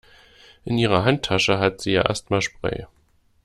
In ihrer Handtasche hat sie ihr Asthmaspray.